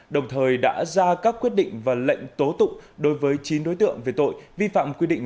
đồng thời đã ra các quyết định và lệnh tố tụng đối với chín đối tượng về tội vi phạm quy định